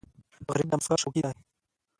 غریب د موسکا شوقي دی